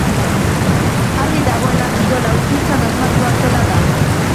Argi dagoena kirol hau Suitzan asmatua zela da.